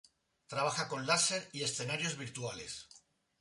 Trabajaba con láser y escenarios virtuales.